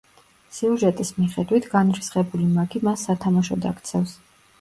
სიუჟეტის მიხედვით, განრისხებული მაგი მას სათამაშოდ აქცევს.